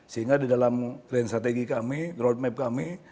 sehingga di dalam klaim strategi kami roadmap kami